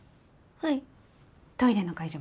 はい。